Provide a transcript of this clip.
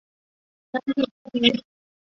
繁体中文版由台湾角川代理。